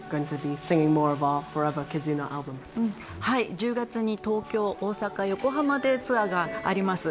１０月に東京、大阪、横浜でツアーがあります。